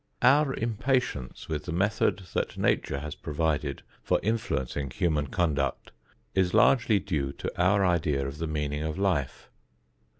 Our impatience with the method that Nature has provided for influencing human conduct is largely due to our idea of the meaning of life.